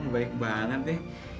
baik banget ya